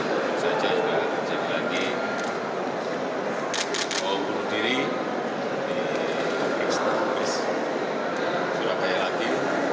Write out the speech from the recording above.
terus saja sudah kejadian lagi di bawang buru diri di stafis surabaya lagi